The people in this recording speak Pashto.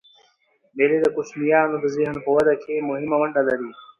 مېلې د کوچنيانو د ذهن په وده کښي مهمه ونډه لري.